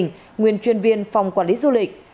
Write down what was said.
nguyễn thị vân chuyên viên phòng quản lý du lịch